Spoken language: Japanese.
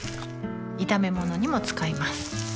炒め物にも使います